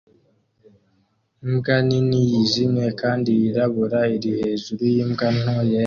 Imbwa nini yijimye kandi yirabura iri hejuru yimbwa nto yera